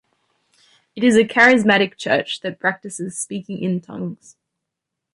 It is a Charismatic church that practices speaking in tongues.